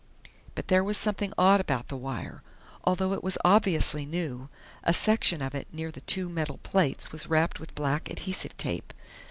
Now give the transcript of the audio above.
But there was something odd about the wire. Although it was obviously new, a section of it near the two metal plates was wrapped with black adhesive tape.